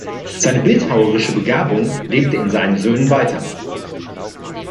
Seine bildhauerische Begabung lebte in seinen Söhnen weiter.